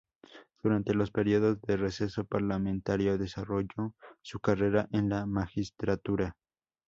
Durante los períodos de receso parlamentario desarrolló su carrera en la magistratura.